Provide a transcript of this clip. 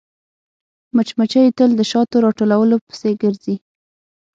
مچمچۍ تل د شاتو راټولولو پسې ګرځي